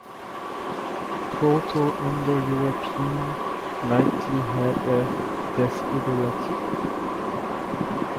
Proto-Indo-European likely had a desiderative.